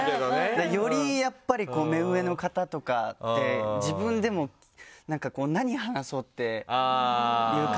よりやっぱり目上の方とかって自分でもなんかこう何話そうっていう感じなんですよ。